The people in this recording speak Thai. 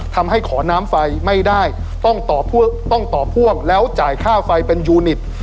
ทำให้ขอน้ำไฟไม่ได้ต้องต่อพ่วงแล้วจ่ายค่าไฟเป็นยูนิต